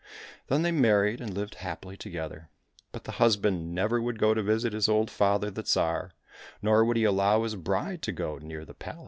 Then they married and lived happily together, but the husband never would go to visit his old father the Tsar, nor would he allow his bride to go near the palace.